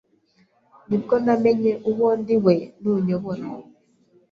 nibwo namenye uwo ndi we nunyobora,